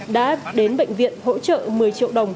đã đến bệnh viện hỗ trợ một mươi triệu đồng